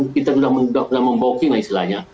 kita sudah memboking istilahnya